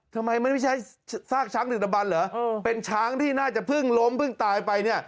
ทำไมมันไม่ใช่ซากช้างดื่นตะบันเหรอเป็นช้างที่น่าจะเพิ่งล้มเพิ่งตายไปเนี่ย